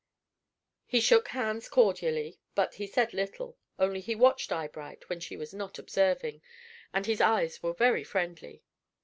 He shook hands cordially, but he said little; only he watched Eyebright when she was not observing, and his eyes were very friendly.